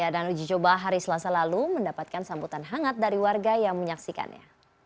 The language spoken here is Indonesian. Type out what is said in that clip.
dan uji coba hari selasa lalu mendapatkan sambutan hangat dari warga yang menyaksikannya